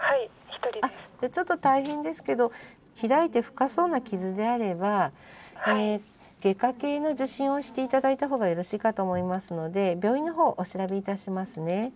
じゃあちょっと大変ですけど開いて深そうな傷であれば外科系の受診をして頂いた方がよろしいかと思いますので病院の方お調べいたしますね。